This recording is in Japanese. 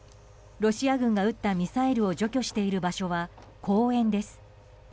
ロシア軍が撃ったミサイルを除去している場所は公園です。